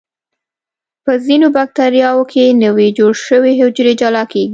په ځینو بکټریاوو کې نوي جوړ شوي حجرې جلا کیږي.